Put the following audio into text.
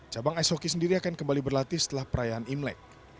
cabang ice hoki sendiri akan kembali berlatih setelah perayaan imlek